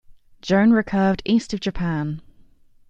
Joan recurved east of Japan.